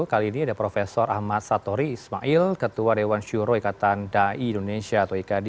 kali ini ada prof ahmad satori ismail ketua dewan syuro ikatan dai indonesia atau ikd